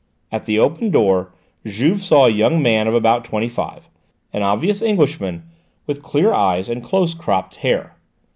At the opened door Juve saw a young man of about twenty five, an obvious Englishman with clear eyes and close cropped hair.